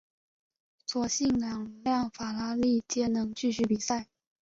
所幸两辆法拉利皆能继续比赛。